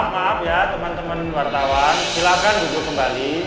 maaf ya teman teman wartawan silakan duduk kembali